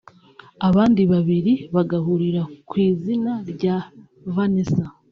abandi babiri bagahurira ku izina rya Vanessa